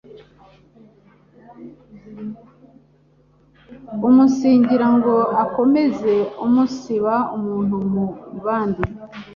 umunsigira ngo akomeze umunsiba umuntu mu bandi